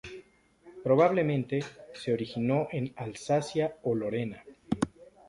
Probablemente, se originó en Alsacia o Lorena.